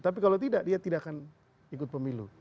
tapi kalau tidak dia tidak akan ikut pemilu